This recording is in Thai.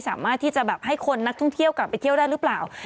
สามารถที่จะแบบให้คนนักท่องเที่ยวกลับไปเที่ยวได้หรือเปล่า